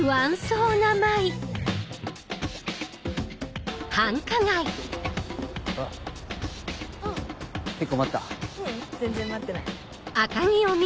ううん全然待ってない。